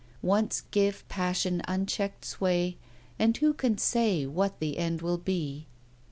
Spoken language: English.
Once give passion unchecked sway, and who can say what the end will be?